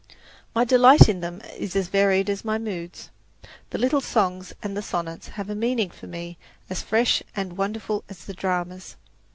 My delight in them is as varied as my moods. The little songs and the sonnets have a meaning for me as fresh and wonderful as the dramas.